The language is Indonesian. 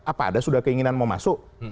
apa ada sudah keinginan mau masuk